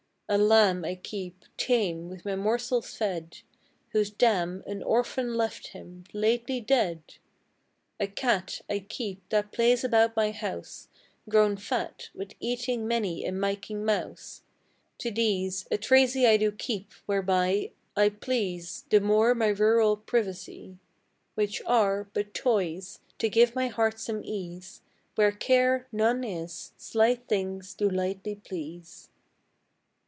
A lamb I keep, tame, with my morsels fed, Whose dam An orphan left him, lately dead: A cat I keep, that plays about my house, Grown fat With eating many a miching mouse: To these A Trasy I do keep, whereby I please The more my rural privacy: Which are But toys, to give my heart some ease: Where care None is, slight things do lightly please.